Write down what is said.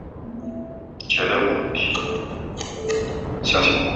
这个阈值用于图像中出现的像素强度的动态范围。